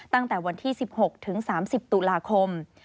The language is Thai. ตั้งแต่วันที่๑๖ถึง๓๐ตุลาคม